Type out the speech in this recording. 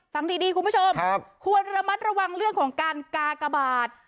ฟังดีคุณผู้ชมควรระมัดระวังเรื่องของการกากบาท